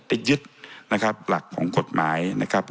ไปยึดนะครับหลักของกฎหมายนะครับ